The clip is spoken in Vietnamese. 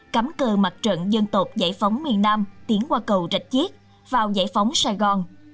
cắm cờ mặt trận dân tộc giải phóng miền nam tiến qua cầu rạch chiếc vào giải phóng sài gòn